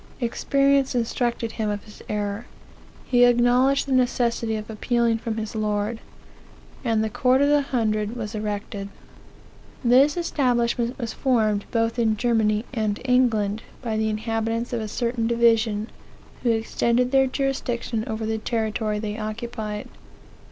Experience instructed him of his error", he acknowledged the necessity of appealing from his lord; and the court of the Hundred was erected. "This establishment was formed both in Germany and England, by the inhabitants of a certain division, who extened their jurisdiction over the territory they occupied.